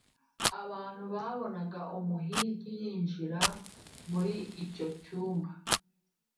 abantu babonaga umuhigi yinjira muri icyo cyumba